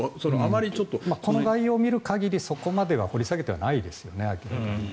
この概要を見る限りそこまでは掘り下げていないですよね。